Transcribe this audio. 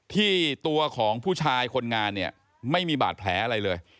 ที่ตัวของผู้ชายคนงานเนี่ยไม่มีบาดแผลอะไรเลย